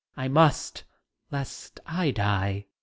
I must, lest I die